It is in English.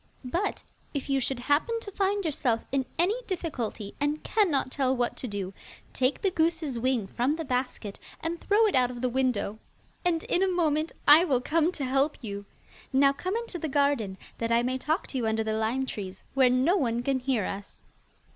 But if you should happen to find yourself in any difficulty, and cannot tell what to do, take the goose's wing from the basket, and throw it out of the window, and in a moment I will come to help you. Now come into the garden, that I may talk to you under the lime trees, where no one can hear us.